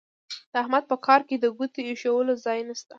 د احمد په کار کې د ګوتې اېښولو ځای نه شته.